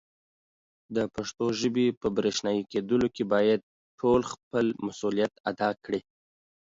د پښتو ژبې په برښنایې کېدلو کې باید ټول خپل مسولیت ادا کړي.